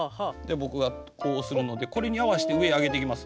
僕がこうするのでこれに合わせて上へ上げていきます。